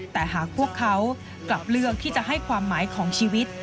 แต่หากพวกเขากลับเลือกที่จะให้ความหมายของชีวิต